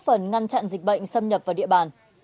phần ngăn chặn dịch bệnh xâm nhập vào địa bàn